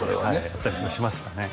言ったりもしましたね